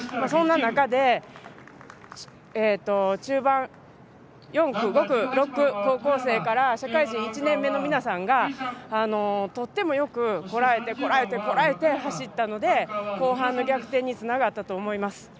そんな中で中盤４区、５区、６区高校生から社会人１年目の皆さんがとっても、よくこらえてこらえて走ったので後半の逆転につながったと思います。